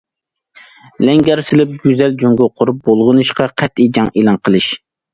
لەڭگەر سېلىپ گۈزەل جۇڭگو قۇرۇپ، بۇلغىنىشقا قەتئىي جەڭ ئېلان قىلىش!